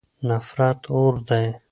نفرت اور دی.